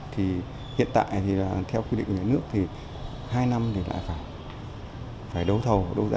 thì hiện tại theo quy định của người nước thì hai năm lại phải đối với